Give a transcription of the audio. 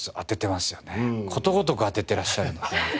ことごとく当ててらっしゃるので。